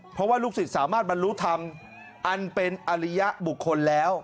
เพราะว่าลูกศิษย์สามารถบรรลุธรรมอันเป็นอริยบุคคลแล้ว